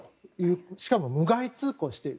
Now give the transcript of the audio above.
しかも無害通航している。